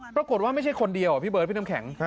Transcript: ปรากฏว่าไม่ใช่คนเดียวพี่เบิร์ดพี่น้ำแข็ง